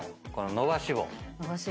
伸ばし棒。